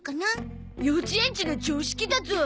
幼稚園児の常識だゾ！